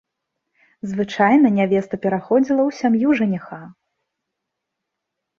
Звычайна нявеста пераходзіла ў сям'ю жаніха.